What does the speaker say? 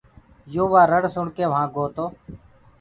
يو وآ رڙ سُڻڪي وهآنٚ گوو تو